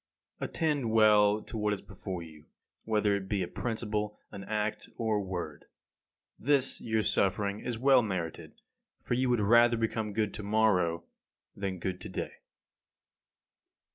22. Attend well to what is before you, whether it be a principle, an act, or a word. This your suffering is well merited, for you would rather become good to morrow than be good to day.